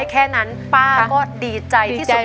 แค่นั้นป้าก็ดีใจที่สุดในชีวิตแล้ว